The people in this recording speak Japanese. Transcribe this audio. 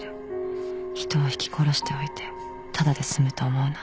「人をひき殺しておいてただで済むと思うな」